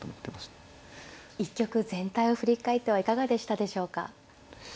一局全体を振り返ってはいかがでしたでしょうか。